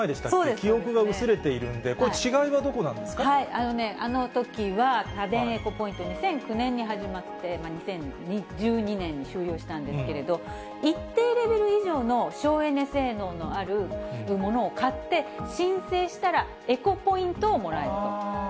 記憶が薄れているんで、これ、あのときは家電エコポイント、２００９年に始まって、２０１２年に終了したんですけれど、一定レベル以上の省エネ性能のある物を買って、申請したら、エコポイントをもらえると。